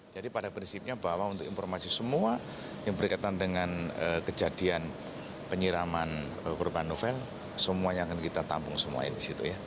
pada prinsipnya bahwa untuk informasi semua yang berkaitan dengan kejadian penyiraman korban novel semuanya akan kita tampung semuanya di situ ya